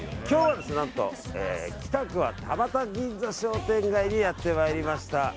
今日は何と北区は田端銀座商店街にやってまいりました。